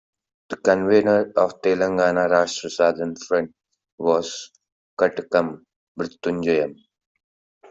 The convenor of Telangana Rashtra Sadhana Front was Katakam Mruthyunjayam.